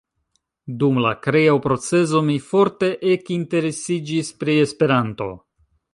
Dum la kreo-procezo mi forte ekinteresiĝis pri Esperanto.